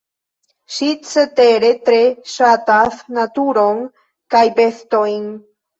Ŝi cetere tre ŝatas naturon kaj bestojn.